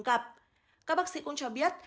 các bác sĩ cũng cho biết